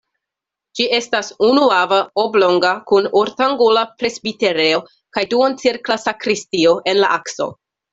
Ĝi estas ununava, oblonga kun ortangula presbiterejo kaj duoncirkla sakristio en la akso.